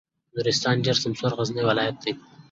نورستان ډېر سمسور غرنی ولایت دی.